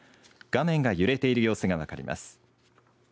画面が揺れている様子が分かります。